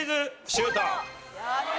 シュート！